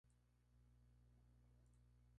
Ibaraki Prefectural University of Health Sciences